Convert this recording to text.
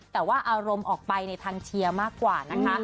แต่ว่าอารมณ์ออกไปในทางเชียร์มากกว่านะคะ